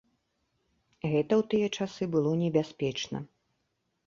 Гэта ў тыя часы было небяспечна.